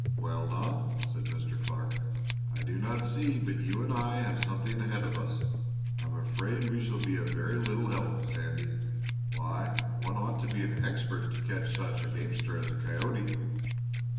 "Well, Don," said Mr. Clark, "I do not see but you and I have something ahead of us. I am afraid we shall be of very little help, Sandy. Why, one ought to be an expert to catch such a gamester as a coyote!"